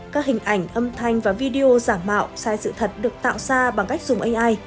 các hình ảnh âm thanh và video giả mạo sai sự thật được tạo ra bằng cách dùng ai